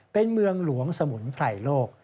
เป็นเมืองหลวงสมุนไพรโลก